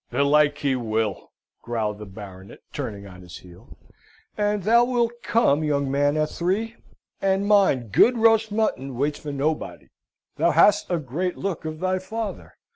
"Belike, he will," growled the Baronet, turning on his heel. "And thou wilt come, young man, at three; and mind, good roast mutton waits for nobody. Thou hast a great look of thy father.